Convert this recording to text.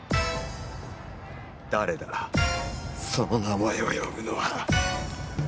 誰だその名前を呼ぶのは。